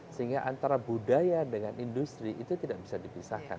sehingga antara budaya dengan industri itu tidak bisa dipisahkan